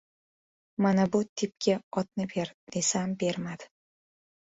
— Mana bu tipga otni ber, desam bermadi.